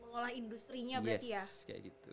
mengolah industri nya berarti ya